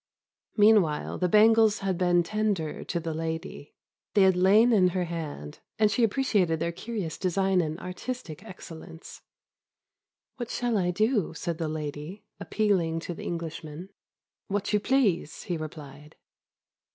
Meanwhile the bangles had been tendered to the lady; they had lain in her hand, and she appreciated their curious design and artistic excellence. "What shall I do?" said the lady, appealing to the Englishman. "What you please," he replied.